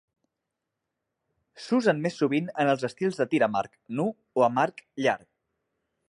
S'usen més sovint en els estils de tir amb arc nu o amb arc llarg.